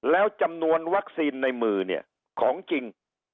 แล้วจำนวนวัคซีนในมือเนี่ยของจริง